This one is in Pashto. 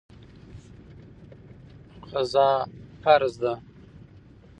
غزا فرض ده.